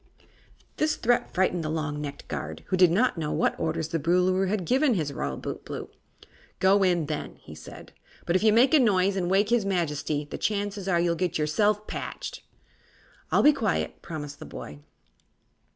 This threat frightened the long necked guard, who did not know what orders the Boolooroo had given his Royal Bootblue. "Go in, then," said he; "but if you make a noise and waken his Majesty, the chances are you'll get yourself patched." "I'll be quiet," promised the boy.